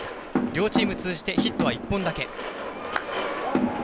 両チーム通じてヒットは１本だけ。